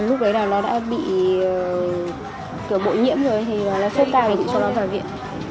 lúc đấy là nó đã bị kiểu bội nhiễm rồi thì nó xếp tàu để cho nó vào viện